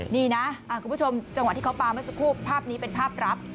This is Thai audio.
นี่นะคุณผู้ชมจังหวะที่เขาปลาเมื่อสักครู่ภาพนี้เป็นภาพรับ